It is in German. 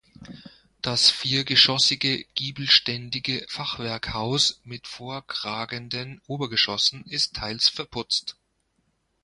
Das viergeschossige giebelständige Fachwerkhaus mit vorkragenden Obergeschossen ist teils verputzt.